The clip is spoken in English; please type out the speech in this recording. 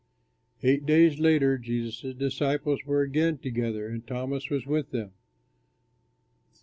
Eight days later Jesus' disciples were again together, and Thomas was with them.